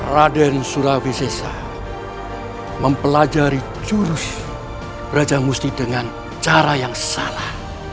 raden surawi sesa mempelajari jurus rajah musti dengan cara yang salah